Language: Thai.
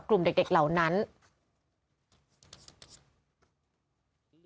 ในการแสดงความคิดเห็นทางการเมืองก็เลยสะเทือนใจไม่อยากจะให้มีความรุนแรง